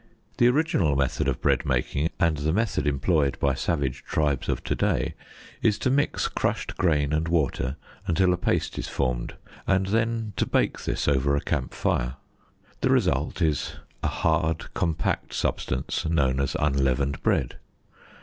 The original method of bread making and the method employed by savage tribes of to day is to mix crushed grain and water until a paste is formed, and then to bake this over a camp fire. The result is a hard compact substance known as unleavened bread.